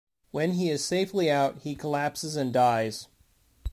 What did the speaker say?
When he is safely out, he collapses and dies.